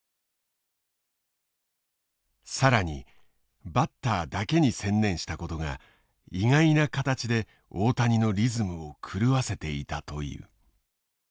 更にバッターだけに専念したことが意外な形で大谷のリズムを狂わせていたという。